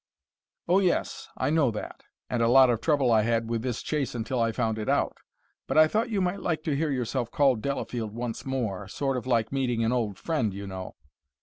"Oh, yes; I know that; and a lot of trouble I had with this chase until I found it out! But I thought you might like to hear yourself called Delafield once more sort of like meeting an old friend, you know.